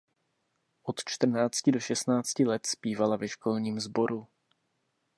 Od čtrnácti do šestnácti let zpívala ve školním sboru.